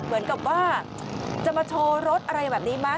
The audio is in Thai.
เหมือนกับว่าจะมาโชว์รถอะไรแบบนี้ไหม